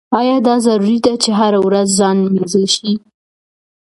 ایا دا ضروري ده چې هره ورځ ځان مینځل شي؟